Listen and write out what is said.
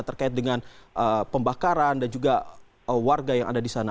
terkait dengan pembakaran dan juga warga yang ada di sana